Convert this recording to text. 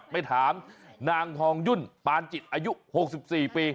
ไปถามนางทองยุ่นปานจิตอายุ๖๔ปี